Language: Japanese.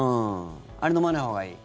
あれ飲まないほうがいい？